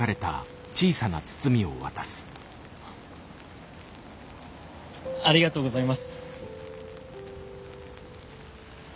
ありがとうございます！